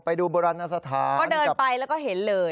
ไปดูโบราณสถานก็เดินไปแล้วก็เห็นเลย